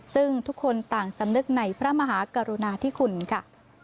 ซึ่งทุกคนต่างสำนึกในพระมหากรุณาธิคุณค่ะ